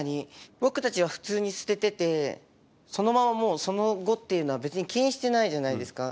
僕たちが普通に捨てててそのままもうその後っていうのは別に気にしてないじゃないですか。